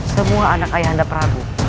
semua anak ayah anda prabu